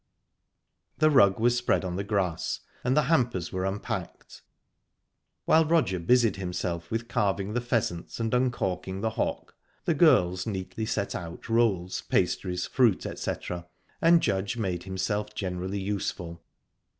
The rug was spread on the grass, and the hampers were unpacked. While Roger busied himself with carving the pheasants and uncorking the hock, the girls neatly set out rolls, pastries, fruit, etc., and Judge made himself generally useful.